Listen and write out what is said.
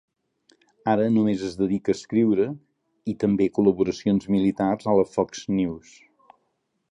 Ara només es dedica a escriure, i també col·laboracions militars a la Fox News.